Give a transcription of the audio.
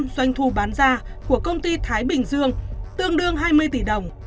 một mươi doanh thu bán ra của công ty thái bình giang tương đương hai mươi tỷ đồng